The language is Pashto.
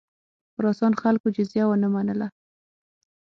خراسان خلکو جزیه ونه منله.